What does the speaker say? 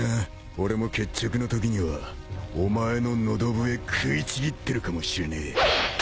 俺も決着のときにはお前の喉笛食いちぎってるかもしれねえ。